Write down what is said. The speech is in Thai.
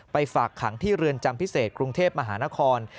ฝากขังที่เรือนจำพิเศษกรุงเทพมหานคร